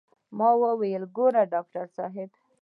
ما وويل ګوره ډاکتر صاحب.